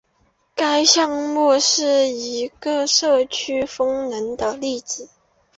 该项目是一个社区风能的例子。